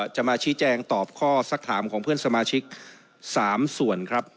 จะมาชี้แจงตอบข้อสักถามของเพื่อนสมาชิก๓ส่วนครับ